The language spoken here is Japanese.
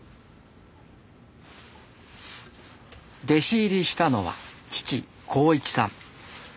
弟子入りしたのは父浩一さん。